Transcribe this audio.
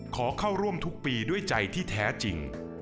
ขอเข้าร่วมทุกปีด้วยใจที่แท้จริง